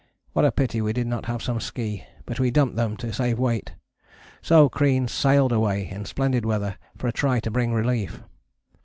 What a pity we did not have some ski, but we dumped them to save weight. So Crean sailed away in splendid weather for a try to bring relief.